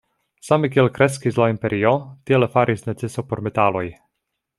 Same kiel kreskis la imperio, tiele faris neceso por metaloj.